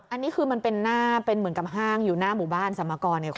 อันนี้คือคือมันเป็นเหมือนกับห้างอยู่หน้าหมู่บ้านสัมมากรไหมครับ